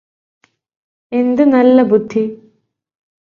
എന്ത് നല്ല ബുദ്ധി